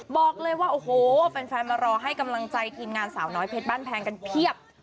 บอกเลยว่าโอ้โหแฟนมารอให้กำลังใจทีมงานสาวน้อยเพชรบ้านแพงกันเพียบ